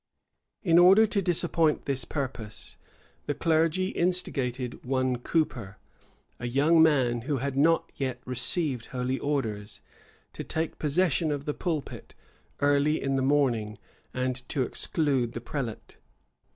In order to disappoint this purpose, the clergy instigated one Couper, a young man who had not yet received holy orders, to take possession of the pulpit early in the morning, and to exclude the prelate.